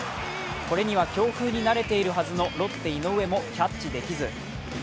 これには強風に慣れているはずのロッテ・井上もキャッチできず。